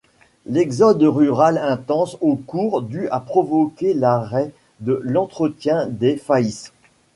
L'exode rural intense au cours du a provoqué l'arrêt de l'entretien des faysses.